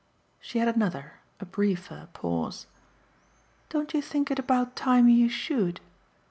She had another, a briefer pause. "Don't you think it about time you SHOULD?"